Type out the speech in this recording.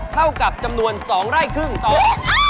เท่ากับจำนวน๒ไร่ครึ่งโต๊ะ